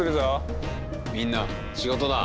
みんな仕事だ。